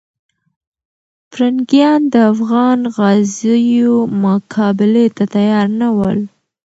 پرنګیان د افغان غازیو مقابلې ته تیار نه ول.